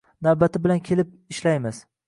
Navbati bilan kelib ishlaymiz